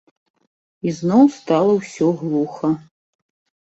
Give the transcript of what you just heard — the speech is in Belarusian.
Ізноў стала ўсё глуха.